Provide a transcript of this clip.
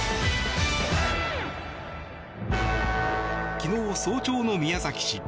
昨日早朝の宮崎市。